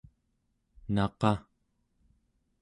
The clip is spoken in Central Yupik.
naqaᵉ